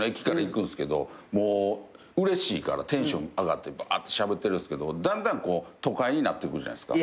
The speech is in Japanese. もううれしいからテンション上がってばーってしゃべってるんすけどだんだんこう都会になってくるじゃないですか。